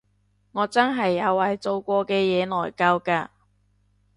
我真係有為做過嘅嘢內疚㗎